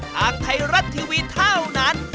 ทางไทยรัฐทีวีเท่านั้น